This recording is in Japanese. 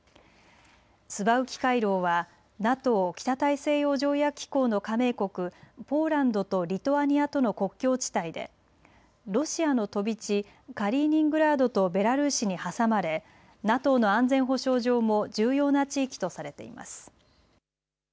スバウキ回廊はＮＡＴＯ・北大西洋条約機構の加盟国、ポーランドとリトアニアとの国境地帯でロシアの飛び地、カリーニングラードとベラルーシに挟まれＮＡＴＯの安全保障上も重要な地域とされています。